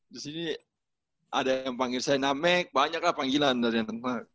disini ada yang panggil saya namek banyak lah panggilan dari tempat